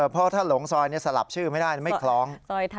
เพราะถ้าหลงซอยสลับชื่อไม่ได้ไม่คล้อง